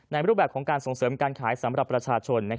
รูปแบบของการส่งเสริมการขายสำหรับประชาชน